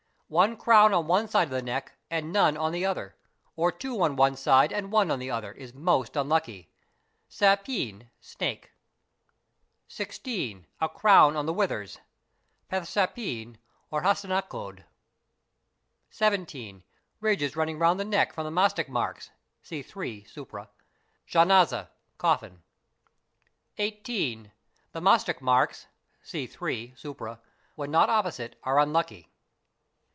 One crown on one side of the neck and none on the other, or two on one side and one on the other side is most unlucky, (sépeen== snake). 16. A crown on the withers, (peth sdpeen or hasthencode). 17. Ridges running round the neck from the masthak marks (see 3, supra), (janaza—coffin). 18. The masthak marks (see 3, swpra) when not opposite are unlucky.